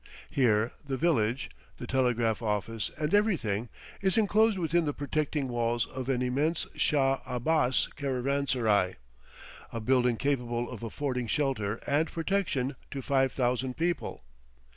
Here the village, the telegraph office and everything is enclosed within the protecting walls of an immense Shah Abbas caravanserai, a building capable of affording shelter and protection to five thousand people.